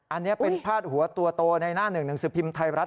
อันนี้เป็นพาดหัวตัวโตในหน้าหนึ่งหนังสือพิมพ์ไทยรัฐ